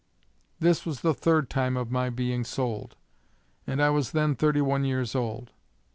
This was the third time of my being sold, and I was then thirty one years old.